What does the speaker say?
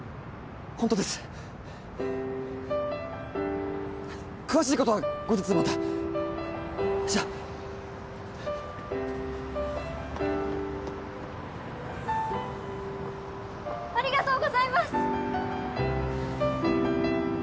ホントです詳しいことは後日またじゃあありがとうございます！